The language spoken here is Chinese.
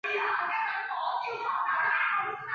主要是主办管理业余的棒球比赛。